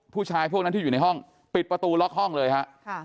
ผู้ชายพวกนั้นที่อยู่ในห้องปิดประตูล็อกห้องเลยฮะ